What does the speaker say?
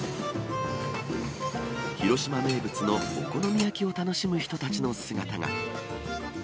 広島名物のお好み焼きを楽しむ人たちの姿が。